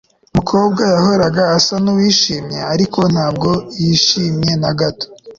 umukobwa yahoraga asa nuwishimye, ariko ntabwo yishimye na gato